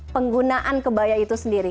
penggunaan kebaya itu sendiri